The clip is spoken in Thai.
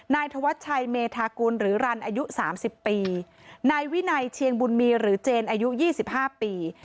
นายธวัชชัยเมธากุลหรือรันอายุ๓๐ปีนายวินัยเชียงบุญมีหรือเจนอายุ๒๕ปี